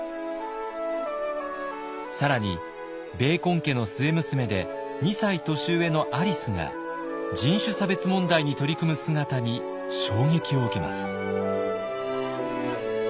更にベーコン家の末娘で２歳年上のアリスが人種差別問題に取り組む姿に衝撃を受けます。